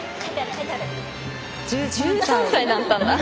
１３歳だったんだ。